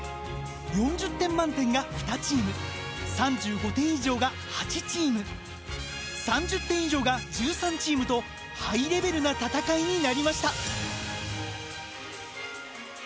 ４０点満点が２チーム３５点以上が８チーム３０点以上が１３チームとハイレベルな戦いになりました。